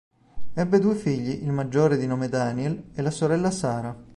Ebbe due figli, il maggiore di nome Daniel e la sorella Sara.